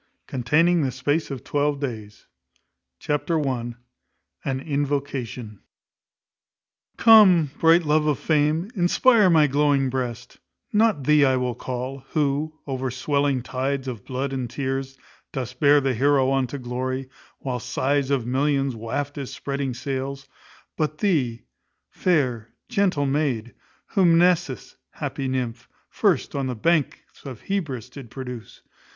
CONTAINING THE SPACE OF TWELVE DAYS. Chapter i. An Invocation. Come, bright love of fame, inspire my glowing breast: not thee I will call, who, over swelling tides of blood and tears, dost bear the heroe on to glory, while sighs of millions waft his spreading sails; but thee, fair, gentle maid, whom Mnesis, happy nymph, first on the banks of Hebrus did produce.